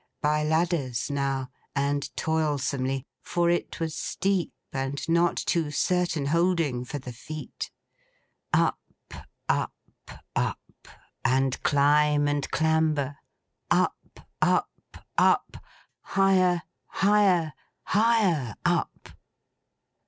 By ladders now, and toilsomely, for it was steep, and not too certain holding for the feet. Up, up, up; and climb and clamber; up, up, up; higher, higher, higher up!